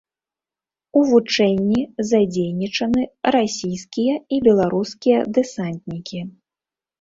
У вучэнні задзейнічаны расійскія і беларускія дэсантнікі.